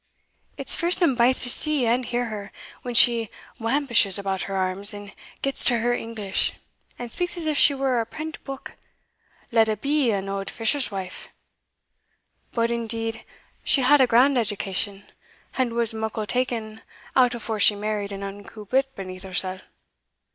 It's fearsome baith to see and hear her when she wampishes about her arms, and gets to her English, and speaks as if she were a prent book, let a be an auld fisher's wife. But, indeed, she had a grand education, and was muckle taen out afore she married an unco bit beneath hersell.